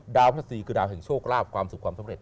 พระศรีคือดาวแห่งโชคลาภความสุขความสำเร็